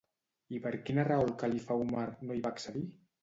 I per quina raó el Califa Úmar no hi va accedir?